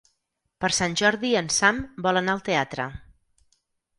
Per Sant Jordi en Sam vol anar al teatre.